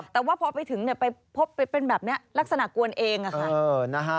แต่ว่าพอไปถึงไปพบไปเป็นแบบนี้ลักษณะกวนเองค่ะ